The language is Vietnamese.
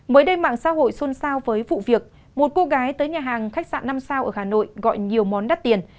mới đây mạng xã hội xôn xao với vụ việc một cô gái tới nhà hàng khách sạn năm sao ở hà nội gọi nhiều món đắt tiền